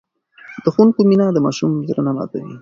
د ښوونکي مینه د ماشوم زړه نه ماتوي.